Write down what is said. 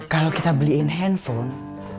kalau kita beliin handphone